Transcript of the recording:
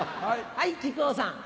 はい木久扇さん。